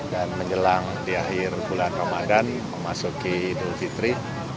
dan menjelang di akhir bulan ramadan memasuki dulu fitri